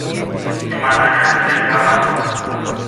Η Παναγιά να σ' έχει καλά